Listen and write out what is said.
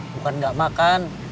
bukan gak makan